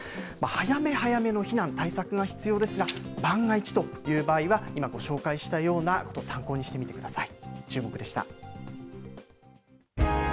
早め早めの避難、対策が必要ですが、万が一という場合は、今ご紹介したようなことを参考にしてみてください。